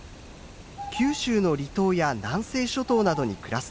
九州の離島や南西諸島などに暮らす鳥です。